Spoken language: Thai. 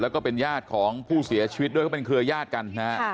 แล้วก็เป็นญาติของผู้เสียชีวิตด้วยเขาเป็นเครือญาติกันนะฮะ